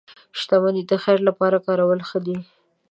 • شتمني د خیر لپاره کارول ښه دي.